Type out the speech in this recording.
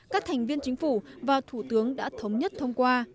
các thành viên chính phủ và thủ tướng đã thống nhất thông qua